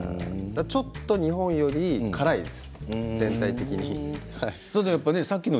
ちょっと日本により全体的に辛いです。